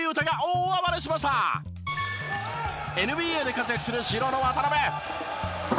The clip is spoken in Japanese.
ＮＢＡで活躍する白の渡邊。